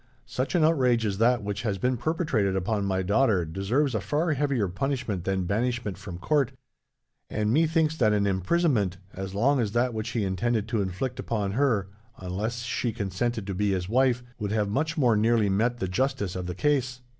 Such an outrage as that which has been perpetrated upon my daughter deserves a far heavier punishment than banishment from court; and methinks that an imprisonment, as long as that which he intended to inflict upon her unless she consented to be his wife, would have much more nearly met the justice of the case.'